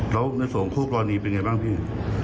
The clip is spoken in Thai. แล้วในส่วนคู่กรณีเป็นไงบ้างพี่